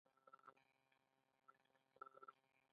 په دې ښار کې د عامه روغتیا خدمتونو ته زیاته پاملرنه کیږي